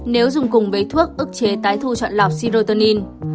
nếu dùng cùng với thuốc ức chế tái thu chọn lọc sirotonin